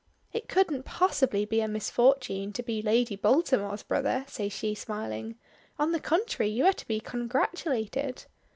"It couldn't possibly be a misfortune to be Lady Baltimore's brother," says she smiling. "On the contrary, you are to be congratulated."